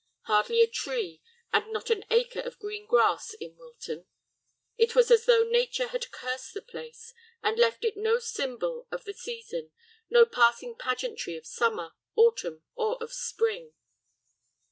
Hardly a tree, and not an acre of green grass, in Wilton. It was as though nature had cursed the place, and left it no symbol of the season, no passing pageantry of summer, autumn, or of spring.